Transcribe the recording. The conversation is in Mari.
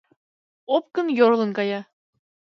Опкын йӧрлын кая.